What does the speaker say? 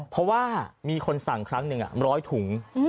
เพราะว่ามีคนสั่งครั้งหนึ่งร้อยถุง